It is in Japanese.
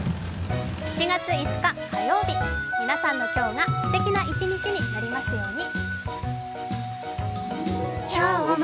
７月５日、火曜日皆さんの今日がすてきな一日になりますように。